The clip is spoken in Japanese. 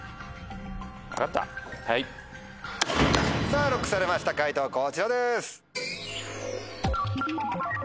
さぁＬＯＣＫされました解答こちらです。